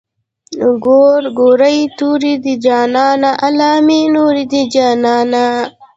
ګورګورې تورې دي جانانه علامې نورې دي جانانه.